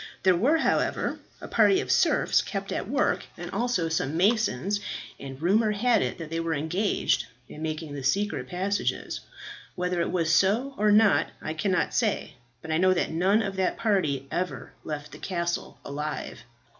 There were, however, a party of serfs kept at work, and also some masons, and rumour had it that they were engaged in making the secret passages. Whether it was so or not I cannot say, but I know that none of that party ever left the castle alive.